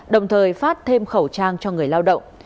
đồng thời phát thêm khẩu trang cho người lao động